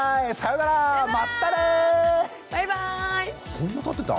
そんなたってた？